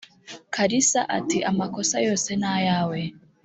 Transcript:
kalisa ati"amakosa yose nayawe